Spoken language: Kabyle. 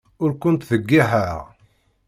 Ur ken-ttdewwiḥeɣ.